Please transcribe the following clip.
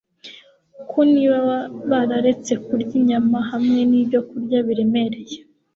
ko niba bararetse kurya inyama hamwe nibyokurya biremereye